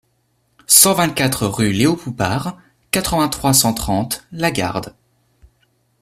cent vingt-quatre rue Léo Poupart, quatre-vingt-trois, cent trente, La Garde